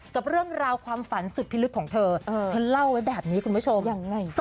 กับเรื่องราวความฝันสุดพิลึกของเธอเธอเล่าไว้แบบนี้คุณผู้ชมยังไงซะ